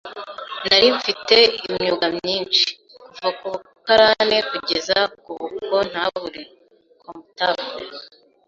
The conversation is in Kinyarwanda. Nari mfite imyuga myinshi, kuva ku bukarane kugeza ku bukontabule (comptable